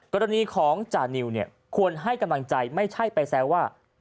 กรณีของจานิวเนี่ยควรให้กำลังใจไม่ใช่ไปแซวว่า